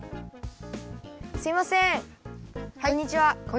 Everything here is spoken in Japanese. すみません！